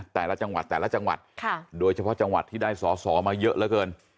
แต่ละจังหวัดแต่ละจังหวัดโดยเฉพาะจังหวัดที่ได้สอสอมาเยอะเหลือเกิน